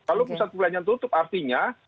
kalau pusat perbelanjaan tutup artinya